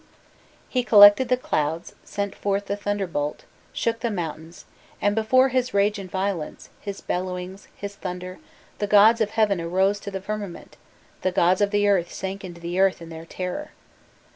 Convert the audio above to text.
He collected the clouds, sent forth the thunder bolt, shook the mountains, and "before his rage and violence, his bellowings, his thunder, the gods of heaven arose to the firmament the gods of the earth sank into the earth" in their terror.